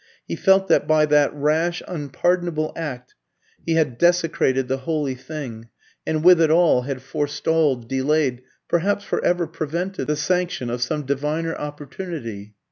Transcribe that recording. He felt that by that rash, unpardonable act he had desecrated the holy thing; and with it all, had forestalled, delayed, perhaps for ever prevented, the sanction of some diviner opportunity.